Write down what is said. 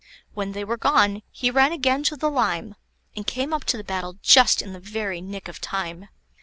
When they were gone, he ran again to the lime, and came up to the battle just in the very nick of time.